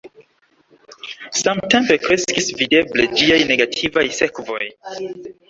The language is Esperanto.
Samtempe kreskis videble ĝiaj negativaj sekvoj.